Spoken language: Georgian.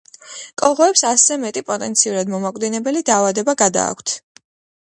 კოღოებს ასზე მეტი პოტენციურად მომაკვდინებელი დაავადება გადააქვთ